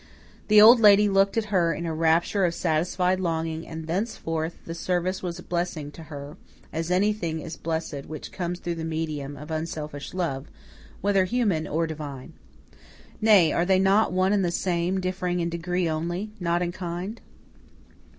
The Old Lady looked at her in a rapture of satisfied longing and thenceforth the service was blessed to her, as anything is blessed which comes through the medium of unselfish love, whether human or divine. Nay, are they not one and the same, differing in degree only, not in kind?